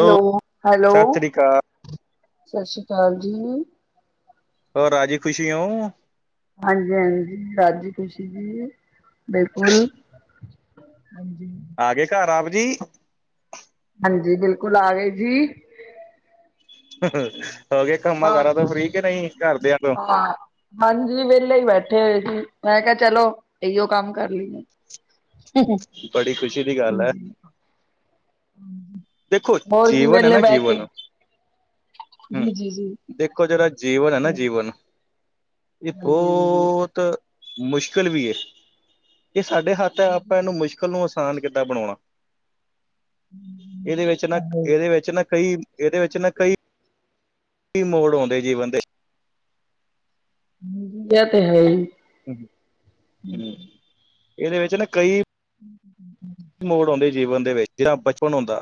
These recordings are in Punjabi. ਹੈਲੋ ਹੈਲੋ ਸਤਿ ਸ੍ਰੀ ਅਕਾਲ ਸਤਿ ਸ਼੍ਰੀ ਅਕਾਲ ਜੀ ਹੋਰ ਰਾਜੀ ਖੁਸ਼ੀ ਹੋ ਹਾਂਜੀ ਹਾਂਜੀ ਰਾਜੀ ਖ਼ੁਸ਼ੀ ਜੀ ਬਿਲਕੁਲ ਹਾਂਜੀ ਆ ਗਏ ਘਰ ਆਪ ਜੀ ਹਾਂਜੀ ਬਿਲਕੁਲ ਆ ਗਏ ਜੀ ਹੋ ਗਏ ਕੰਮਾਂ ਹਾਂ, ਕਾਰਾਂ ਤੋਂ ਫਰੀ ਕਿ ਨਹੀਂ ਘਰਦਿਆਂ ਤੋਂ? ਹਾਂ। ਹਾਂਜੀ ਵਿਹਲੇ ਹੀ ਬੈਠੇ ਹੋਏ ਸੀ। ਮੈਂ ਕਿਹਾ ਚਲੋ ਇਹੀਓ ਕੰਮ ਕਰ ਲਈਏ। ਬੜੀ ਖੁਸ਼ੀ ਦੀ ਗੱਲ ਹੈ। ਜੀ ਦੇਖੋ ਹੋਰ ਕੀ ਜੀਵਨ ਹੈ ਵੇਲੇ ਨਾ ਬਹਿ ਕੇ ਜੀਵਨ ਹਮ ਜੀ ਜੀ ਜੀ ਦੇਖੋ ਜਿਹੜਾ ਜੀਵਨ ਹੈਨਾ ਜੀਵਨ ਇਹ ਹਾਂਜੀ, ਹਾਂਜੀ ਬਹੁਤ ਮੁਸ਼ਕਿਲ ਵੀ ਇਹ ਸਾਡੇ ਹੱਥ ਹੈ ਆਪਾਂ ਇਹਨੂੰ ਮੁਸ਼ਕਿਲ ਨੂੰ ਆਸਾਨ ਕਿੱਦਾਂ ਬਣਾਉਣਾ ਇਹਦੇ ਵਿੱਚ ਨਾ ਇਹਦੇ ਵਿੱਚ ਨਾ ਕਈ ਇਹਦੇ ਵਿੱਚ ਨਾ ਕਈ ਕੀ ਮੋੜ ਆਉਂਦੇ ਜੀਵਨ ਦੇ ਇਹ ਤੇ ਹੈ ਹੂ ਇਹਦੇ ਵਿੱਚ ਨਾ ਕਈ ਮੋੜ ਆਂਦੇ ਜੀਵਨ ਦੇ ਵਿੱਚ ਜਿਹੜਾ ਬਚਪਨ ਹੁੰਦਾ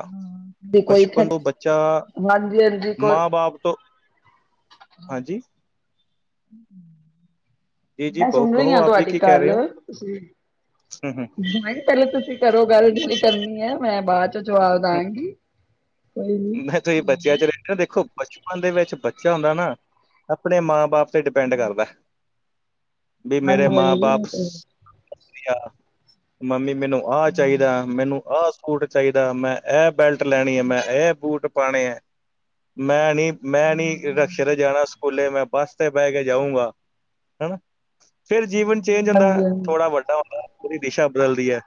ਵੀ ਕੋਈ ਬਚਪਨ ਤੋਂ ਬੱਚਾ ਹਾਂਜੀ ਹਾਂਜੀ ਮਾਂ ਬਾਪ ਤੋਂ ਹਾਂ ਮੈਂ ਸੁਣ ਰਹੀ ਕਹੋ ਹਾਂ ਆਪ ਜੀ ਤੁਹਾਡੀ ਕੀ ਕਹਿ ਗੱਲ ਰਹੇ ਹੋ? ਤੁਸੀਂ ਪਹਿਲੇ ਤੁਸੀਂ ਕਰੋ ਗੱਲ ਜਿਵੇਂ ਕਰਨੀ ਹੈ ਮੈਂ ਬਾਅਦ ਚ ਜਵਾਬ ਦਾਂਗੀ ਕੋਈ ਨੀ ਹਾਂਜੀ ਮੈਂ ਤੁਸੀਂ ਬੱਚਿਆਂ ਹਾਂਜੀ ਚ ਰਹਿੰਦੇ ਨਾ ਦੇਖੋ ਬਚਪਨ ਦੇ ਵਿੱਚ ਬੱਚਾ ਹੁੰਦਾ ਨਾ ਆਪਣੇ ਮਾਂ ਬਾਪ ਤੇ ਡਿਪੈਂਡ ਕਰਦਾ ਵੀ ਮੇਰੇ ਹਾਂਜੀ ਮਾਂ ਹਾਂਜੀ ਬਾਪ ਵਧੀਆ ਮੰਮੀ ਮੈਨੂੰ ਆਹ ਚਾਹੀਦਾ ਮੈਨੂੰ ਆਹ ਸੂਟ ਚਾਹੀਦਾ ਮੈਂ ਇਹ ਬੈਲਟ ਲੈਣੀ ਹੈ ਮੈਂ ਇਹ ਬੂਟ ਪਾਣੇ ਹੈ ਮੈਂ ਨੀ ਮੈਂ ਨੀ ਰਕਸ਼ੇ ਤੇ ਜਾਣਾ ਸਕੂਲੇ ਮੈਂ ਬੱਸ ਤੇ ਬਹਿ ਕੇ ਜਾਊਂਗਾ ਹਨਾ ਫਿਰ ਜੀਵਨ ਚੇਂਜ ਹੁੰਦਾ ਹਾਂਜੀ ਥੋੜਾ ਵੱਡਾ ਹੁੰਦਾ ਪੂਰੀ ਦਿਸ਼ਾ ਬਦਲਦੀ ਹੈ।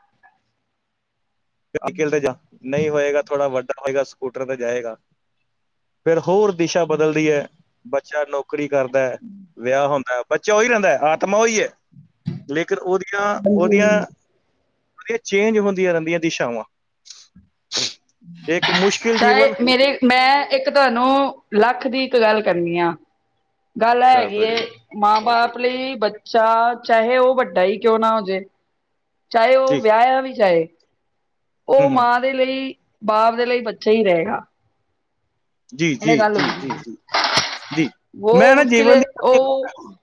ਨਿਖਿਲ ਤੇ ਨਹੀਂ ਹੋਏਗਾ ਥੋੜਾ ਵੱਡਾ ਹੋਏਗਾ ਸਕੂਟਰ ਤੇ ਜਾਏਗਾ ਫਿਰ ਹੋਰ ਦਿਸ਼ਾ ਬਦਲਦੀ ਹੈ ਬੱਚਾ ਨੌਕਰੀ ਕਰਦਾ ਵਿਆਹ ਹੁੰਦਾ ਬੱਚਾ ਹੀ ਰਹਿੰਦਾ ਹੈ ਆਤਮਾ ਈ ਹੈ ਲੇਕਿਨ ਉਹਦੀਆਂ ਉਹਦੀਆਂ ਹਾਂਜੀ ਚੇਂਜ ਹੁੰਦੀਆਂ ਰਹਿੰਦੀਆਂ ਦਿਸ਼ਾਵਾਂ ਇਹ ਇੱਕ ਮੁਸ਼ਕਿਲ ਜੀਵਨ ਚਾਹ ਮੇਰੇ ਮੈਂ ਇੱਕ ਤੁਹਾਨੂੰ ਲੱਖ ਦੀ ਇੱਕ ਗੱਲ ਕਰਨੀ ਆ ਗੱਲ ਕਰ ਹੈਗੀ ਦੋ ਜੀ ਮਾਂ ਬਾਪ ਲਈ ਬੱਚਾ ਚਾਹੇ ਉਹ ਵੱਡਾ ਹੀ ਕਿਉਂ ਨਾ ਹੋ ਜੇ ਚਾਹੇ ਉਹ ਜੀ ਵਿਆਹ ਆ ਵੀ ਚਾਹੇ ਹੂੰ ਉਹ ਹੂੰ ਮਾਂ ਦੇ ਲਈ ਬਾਪ ਦੇ ਲਈ ਬੱਚਾ ਹੀ ਰਹੇਗਾ ਜੀ ਜੀ ਇਹ ਗੱਲ ਜੀ ਜੀ ਹੁੰਦੀ ਹੈ। ਜੀ ਜੀ ਵੋ ਮੈਂ ਨਾ ਉਸਕੇ ਜੀਵਨ ਲੀਏ ਦੀ ਉਹ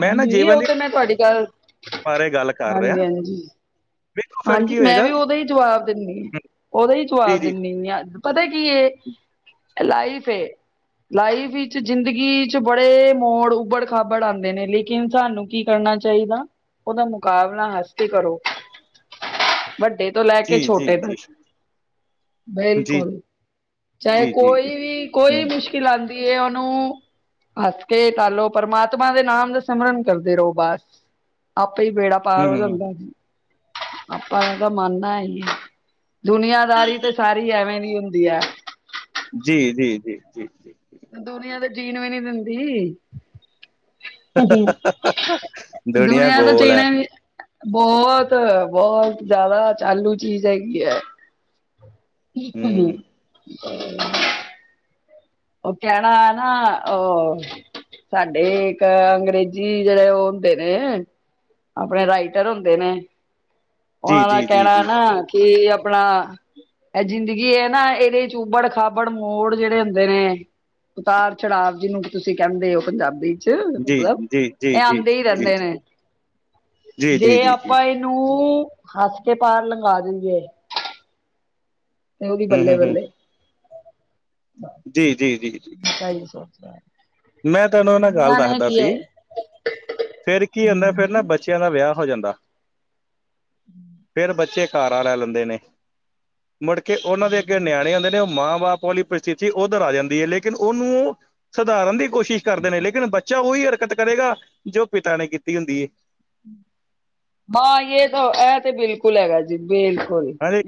ਮੈਂ ਨਾ ਹਾਂਜੀ ਜੀਵਨ ਉਹ ਦੀ ਤੇ ਮੈਂ ਤੁਹਾਡੀ ਗੱਲ ਬਾਰੇ ਗੱਲ ਕਰ ਰਿਹਾ ਹਾਂਜੀ ਹਾਂਜੀ ਵੇਖੋ ਫਿਰ ਹਾਂਜੀ ਕੀ ਮੈਂ ਹੋਏਗਾ ਵੀ ਉਹਦਾ ਹੀ ਜਵਾਬ ਦਿੰਦੀ ਹਾਂ ਉਹਦਾ ਹੀ ਜੀ ਜਵਾਬ ਜੀ ਦਿੰਦੀ ਅੱਜ ਪਤਾ ਕੀ ਇਹ ਇਹ ਲਾਈਫ ਹੈ ਲਾਈਫ ਵਿੱਚ ਜ਼ਿੰਦਗੀ ਚ ਬੜੇ ਮੋੜ ਉਬੜ ਖਾਬੜ ਆਉਂਦੇ ਨੇ ਲੇਕਿਨ ਸਾਨੂੰ ਕੀ ਕਰਨਾ ਚਾਹੀਦਾ ਉਹਦਾ ਮੁਕਾਬਲਾ ਹੱਸ ਕੇ ਕਰੋ ਵੱਡੇ ਤੋਂ ਲੈ ਕੇ ਜੀ ਜੀ ਛੋਟੇ ਜੀ ਤੱਕ ਜੀ ਬਿਲਕੁਲ ਚਾਹੇ ਜੀ ਜੀ ਜੀ ਕੋਈ ਵੀ ਕੋਈ ਹੂੰ ਮੁਸ਼ਕਿਲ ਪਲਾਦੀ ਏ ਉਹਨੂੰ ਹੱਸ ਕੇ ਤ ਲੋ ਪਰਮਾਤਮਾ ਦੇ ਨਾਮ ਦਾ ਸਿਮਰਨ ਕਰਦੇ ਰਹੋ ਬਸ ਆਪੇ ਹੀ ਵੇੜਾ ਪਾਰ ਹੂੰ ਹੋ ਹੂੰ ਜਾਂਦਾ ਆਪਾਂ ਤਾਂ ਮੰਨਾ ਹੈ ਜੀ ਦੁਨੀਆਂਦਾਰੀ ਤੇ ਸਾਰੀ ਐਵੇਂ ਦੀ ਹੁੰਦੀ ਹੈ। ਜੀ ਜੀ ਜੀ ਜੀ ਜੀ ਦੁਨੀਆਂ ਦੇ ਜੀਨ ਵੀ ਨੀ ਦਿੰਦੀ ਦੁਨੀਆ ਦੁਨੀਆਂ ਤਾਂ ਗੋਲ ਹੈ ਜੀਨਾ ਵੀ ਬਹੁਤ ਬਹੁਤ ਜਿਆਦਾ ਚਾਲੂ ਚੀਜ਼ ਹੈਗੀ ਹੈ ਹੂ,,, ਹੂੰ ਓ ਕਹਿਣਾ ਨਾ ਉਹ ਸਾਡੇ ਇੱਕ ਅੰਗਰੇਜ਼ੀ ਜਿਹੜੇ ਉਹ ਹੁੰਦੇ ਨੇ ਆਪਣੇ ਰਾਈਟਰ ਹੁੰਦੇ ਨੇ ਜੀ ਉਹਨਾਂ ਦਾ ਜੀ ਜੀ ਜੀ ਕਹਿਣਾ ਨਾ ਕਿ ਆਪਣਾ ਇਹ ਜ਼ਿੰਦਗੀ ਇਹ ਨਾ ਇਹਦੇ ਉਬੜ ਖਾਬੜ ਮੋੜ ਜਿਹੜੇ ਹੁੰਦੇ ਨੇ ਉਤਾਰ ਚੜਾਵ ਜਿਹਨੂੰ ਵੀ ਤੁਸੀਂ ਕਹਿੰਦੇ ਹੋ ਪੰਜਾਬੀ ਮਤਲਬ ਇਹ ਆਉਂਦੇ ਹੀ ਰਹਿੰਦੇ ਨੇ ਜੀ ਜੀ ਜੀ ਜੇ ਜੀ ਜੀ ਆਪਾਂ ਨੂੰ ਹੱਸ ਕੇ ਪਾਰ ਲੰਘਾ ਦਿੰਦੇ ਹੈ ਤੇ ਉਦੀ ਹੂੰ ਬੱਲੇ ਹੂੰ ਹੂੰ ਬੱਲੇ ਜੀ ਜੀ ਜੀ ਜੀ ਅੱਛਾ ਜੀ ਸੋ ਮੈਂ ਤੈਨੂੰ ਉਹਨਾਂ ਗੱਲ ਦੱਸਦਾ ਸੀ। ਫਿਰ ਕੀ ਹੁੰਦਾ ਫਿਰ ਨਾ ਬੱਚਿਆਂ ਦਾ ਵਿਆਹ ਹੋ ਜਾਂਦਾ ਫਿਰ ਬੱਚੇ ਖਾਰਾ ਲੈ ਲੈਂਦੇ ਨੇ ਮੁੜਕੇ ਉਹਨਾਂ ਦੇ ਅੱਗੇ ਨਿਆਣੇ ਹੁੰਂਦੇ ਨੇ ਉਹ ਮਾਂ ਬਾਪ ਵਾਲੀ ਪਰਿਸਥਿਤੀ ਉਧਰ ਆ ਜਾਂਦੀ ਹੈ ਲੇਕਿਨ ਉਹਨੂੰ ਸੁਧਾਰਨ ਦੀ ਕੋਸ਼ਿਸ਼ ਕਰਦੇ ਨੇ ਲੇਕਿਨ ਬੱਚਾ ਉਹੀ ਹਰਕਤ ਕਰੇਗਾ ਜੋ ਪਿਤਾ ਨੇ ਕੀਤੀ ਹੁੰਦੀ ਹੈ। ਹਾਂ ਯ ਤਾਂ ਇਹ ਤੇ ਬਿਲਕੁਲ ਹਾਂਜੀ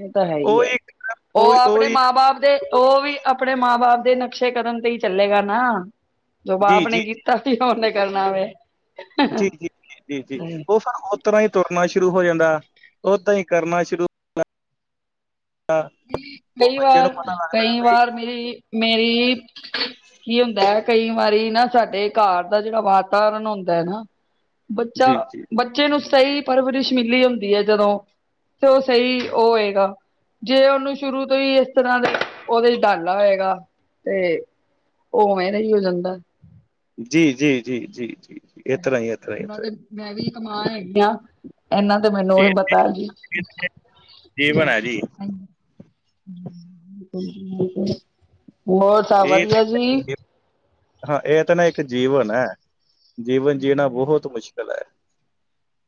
ਉਹੀ ਉਹ ਉਹੀ ਆਪਣੇ ਉਹੀ ਮਾਂ ਬਾਪ ਦੇ ਉਹ ਵੀ ਅਪਣੇ ਮਾਂ-ਬਾਪ ਦੇ ਨਕਸ਼ੇ ਕਦਮ ਤੇ ਹੀ ਚੱਲੇਗਾ ਨਾ ਜੋ ਜੀ ਬਾਪ ਜੀ ਨੇ ਕੀ ਤਾਤੀਹਾ ਓਨੇ ਕਰਨਾ ਦੇ। ਜੀ ਜੀ ਜੀ ਜੀ ਜੀ ਓ ਫਿਰ ਓ ਤਰਾ ਈ ਤੁਰਨਾ ਸ਼ੁਰੂ ਹੋ ਜਾਂਦਾ ਓਦਾਂ ਈ ਕਰਨਾ ਸ਼ੁਰੂ ਉਹ ਕਈ ਬੱਚੇ ਨੂੰ ਵਾਰ, ਪਤਾ ਲੱਗਦਾ ਕਈ ਬਈ ਵਾਰ ਮੇਰੀ, ਮੇਰੀ ਕੀ ਹੁੰਦਾ ਕਈ ਵਾਰੀ ਨਾ ਸਾਡੇ ਘਾਰ ਦਾ ਜੇੜਾ ਵਾਤਾਵਰਨ ਹੁੰਦਾ ਨਾ ਬੱਚਾ ਜੀ ਜੀ ਬ ਬੱਚੇ ਨੂੰ ਸਈ ਪਰਵਰਿਸ਼ ਮਿਲੀ ਹੁੰਦੀ ਐ ਜਦੋਂ ਤੇ ਓ ਸਈ ਓ ਹੋਏਗਾ। ਜੇ ਉਨੂੰ ਸ਼ੁਰੂ ਤੋਂ ਈ ਇਸ ਤਰਾ ਦਾ ਉਦੇ ਚ ਡਾਲਾ ਹੋਏਗਾ ਤੇ ਉਹ ਮੈਂਨਜ ਈ ਹੋ ਜਾਂਦਾ। ਜੀ, ਜੀ, ਜੀ, ਜੀ, ਜੀ, ਜੀ, ਇਹ ਤਰਾ ਹੀ ਤਰਾ ਹੀ, ਉਹਨਾਂ ਹੀ ਤੇ ਮੈਂ ਵੀ ਇੱਕ ਮਾਂ ਐਗੀ ਆਂ, ਐਨਾ ਤੇ ਮੈਨੂੰ ਵੀ ਪਤਾ ਏ ਜੀ। [inaudible] ਜੀਵਨ ਹੈ ਜੀ ਬਹੋਤ ਇਹ ਤਾਂ [unintelligible] ਹਾਂ ਏ ਤਾਂ ਨਾ ਇੱਕ ਜੀਵਨ ਐ। ਜੀਣਾ ਜੀ ਬਹੁਤ ਮੁਸ਼ਕਿਲ ਹੈ।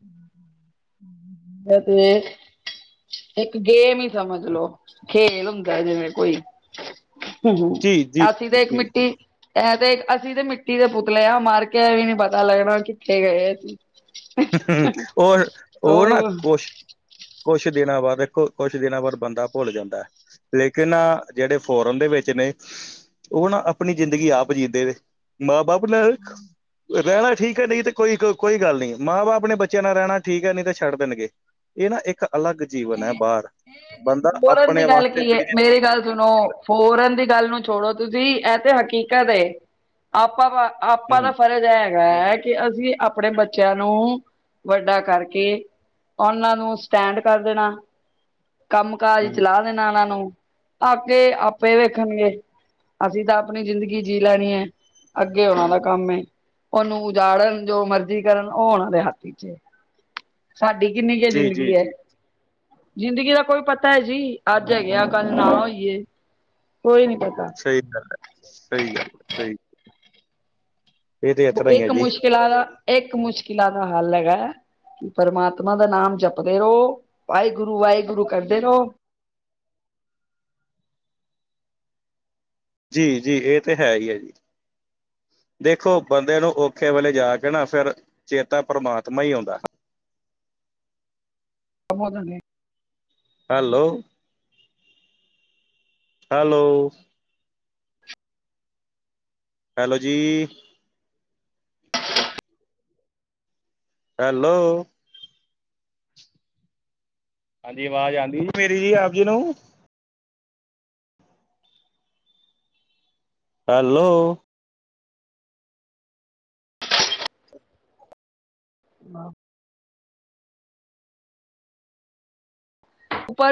ਹੂੰ-ਹੂੰ [inaudible] ਇਹ ਦੇਖ ਇੱਕ ਗੇਮ ਹੀ ਸਮਝ ਲਓ। ਖੇਲ ਹੁੰਦਾ ਜਿਵੇਂ ਕੋਈ ਹ ਜੀ ਜੀ ਅਸੀਂ ਤਾਂ ਇੱਕ ਜੀ ਮਿੱਟੀ ਐ ਤੇ ਇਕ ਅਸੀਂ ਤੇ ਮਿੱਟੀ ਦੇ ਪੁਤਲੇ ਆ ਮਰ ਕੇ ਵੀ ਨੀ ਪਤਾ ਲੱਗਣਾ ਕਿੱਥੇ ਗਏ ਆ ਹੂੰ ਉਹ-ਉਹ ਨਾ ਕੁਛ-ਕੁਛ। ਇੱਕ ਦਿਨਾਂ ਬਾਅਦ ਦੇਖੋ, ਕੁਛ ਦਿਨਾਂ ਬਾਅਦ, ਬੰਦਾ ਭੁੱਲ ਜਾਂਦਾ। ਲੇਕਿਨ, ਨਾ ਜਿਹੜੇ ਫੋਰਨ ਦੇ ਵਿੱਚ ਨੇ ਉਹ ਨਾ ਆਪਣੀ ਜ਼ਿੰਦਗੀ, ਆਪ ਜੀਦੇ ਨੇ, ਮਾਂ ਬਾਪ ਆਪਣਾ ਰਹਿਣਾ ਠੀਕ ਏ, ਨਹੀਂ ਤੇ ਕੋਈ, ਕੋਈ ਗੱਲ ਨਹੀਂ। ਮਾਂ ਬਾਪ ਆਪਣੇ ਬੱਚਿਆਂ ਨਾਲ ਰਹਿਣਾ ਠੀਕ ਏ, ਨਹੀਂ ਤੇ ਛੱਡ ਦੇਣਗੇ। ਇਹ ਨਾ ਇੱਕ ਅਲੱਗ ਜੀਵਨ ਐ ਬਾਰ, ਬੰਦਾ ਆਪਣੇ ਵਾਸਤੇ ਅਪਣੀ ਜ਼ਿੰਦਗੀ ਸੁਨੋ ਫੋਰਨ ਦੀ ਗੱਲ ਨੂੰ ਛੋੜੋ ਤੁਸੀਂ ਇਹ ਤੇ ਹਕੀਕਤ ਏ। ਆਪਾਂ ਜ਼ਿੰ- ਆਪਾਂ ਹੂੰ ਦਾ ਫਰਜ਼ ਹੈ। ਹੈ ਕਿ ਅਸੀਂ ਆਪਣੇ ਬੱਚਿਆਂ ਨੂੰ ਵੱਡਾ ਕਰਕੇ ਉਹਨਾਂ ਨੂੰ ਸਟੈਂਡ ਕਰ ਦੇਣਾ। ਕੰਮ-ਕਾਜ ਹੂੰ ਚਲਾ ਦੇਨਾ ਏਨਾਂ ਨੂੰ ਆਪੇ ਆਪੇ ਵੇਖਨਗੇ। ਅਸੀਂ ਤਾਂ ਆਪਣੀ ਜ਼ਿੰਦਗੀ ਜੀਅ ਲੈਣੀ ਹੈ। ਅੱਗੇ ਉਹਨਾਂ ਦਾ ਕੰਮ ਏ ਉਹਨੂੰ ਉਜਾੜਨ ਜੋ ਮਰਜ਼ੀ ਕਰਨ ਉਹ ਉਹਨਾਂ ਦੇ ਹੱਥ ਚ ਹੈ। ਸਾਡੀ ਕਿੰਨੀ ਕੁ ਜੀ ਜੀ ਜ਼ਿੰਦਗੀ ਹੈ। ਜੀ ਜ਼ਿੰਦਗੀ ਦਾ ਕੋਈ ਪਤਾ ਹੈ ਜੀ ਅੱਜ ਹੈਗਾ, ਹਾਂ ਕੱਲ ਨਾ ਹੋਈਏ। ਕੋਈ ਨਹੀਂ ਪ੍ਹਤਾ ਸਹੀ ਗੱਲ ਹੈ-ਸਹੀ ਗੱਲ ਹੈ-ਸਹੀ ਇੱਕ ਮੁਸ਼ਕਿਲਾਂ ਦਾ ਇੱਕ ਮੁਸ਼ਕਿਲਾਂ ਦਾ ਹੱਲ ਹੈਗਾ। ਪਰਮਾਤਮਾ ਦਾ ਨਾਮ ਜਪਦੇ ਰਹੋ ਵਾਹਿਗੁਰੂ ਵਾਹਿਗੁਰੂ ਕਰਦੇ ਰਹੋ। ਜੀ-ਜੀ, ਇਹ ਤੇ ਹੈ ਹੀ ਹੈ ਜੀ! ਦੇਖੋ ਬੰਦੇ ਨੂੰ ਔਖੇ ਵੇਲੇ ਜਾ ਕੇ ਨਾ ਫੇਰ ਚੇਤਾ ਪਰਮਾਤਮਾ ਹੀ ਆਉਂਦਾ। ਹਬੋਦਨ ਏ ਹੈਲੋ-ਹੈਲੋ! ਹੈਲੋ ਜੀ। ਹ [unintelligible] ਹੈਲੋ। ਹਾਂਜੀ, ਆਵਾਜ਼ ਆਉਂਦੀ ਜੀ ਮੇਰੀ ਜੀ ਆਪ ਜੀ ਨੂੰ? ਹੈਲੋ। ਹਾਂ। ਉਪਰ